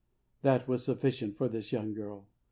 That was sufficient for this young girl.